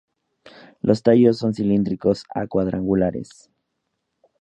Los tallos son cilíndricos a cuadrangulares.